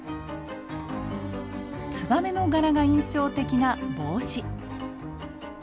ツバメの柄が印象的な帽子。